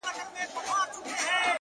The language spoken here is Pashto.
چي دي شراب!! له خپل نعمته ناروا بلله!!